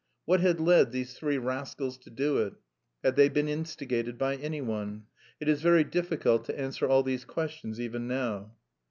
What had led these three rascals to do it? Had they been instigated by anyone? It is very difficult to answer all these questions even now.